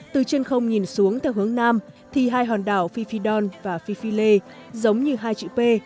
từ trên không nhìn xuống theo hướng nam thì hai hòn đảo phi phi don và phi phi lê giống như hai chữ p